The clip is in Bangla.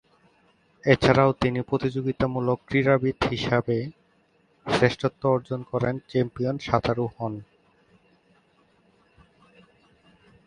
এছাড়াও তিনি প্রতিযোগিতামূলক ক্রীড়াবিদ হিসেবে শ্রেষ্ঠত্ব অর্জন করেন, চ্যাম্পিয়ন সাঁতারু হন।